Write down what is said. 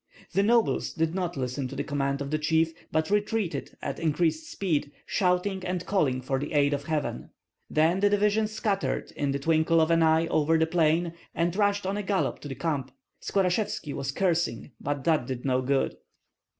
The nobles did not listen to the command of the chief, but retreated at increased speed, shouting, and calling for the aid of heaven. Then the division scattered, in the twinkle of an eye, over the plain, and rushed on a gallop to the camp. Skorashevski was cursing, but that did no good.